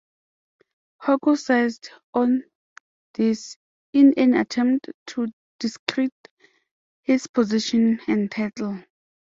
Hugo seizes on this in an attempt to discredit his position and title.